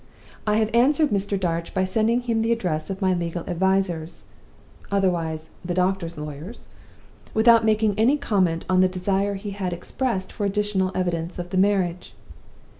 I have answered Mr. Darch by sending him the address of my legal advisers otherwise, the doctor's lawyers without making any comment on the desire that he has expressed for additional evidence of the marriage.